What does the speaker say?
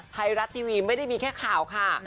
ไทยรัฐทีวีไม่ได้มีแค่ข่าวค่ะ